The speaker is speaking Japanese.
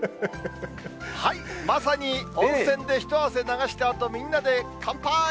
まさに温泉でひと汗流したあと、みんなでかんぱーい！